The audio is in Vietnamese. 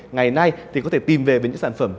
ngày nay thì có thể tìm về với những sản phẩm